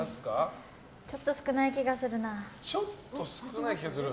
ちょっと少ない気がするな。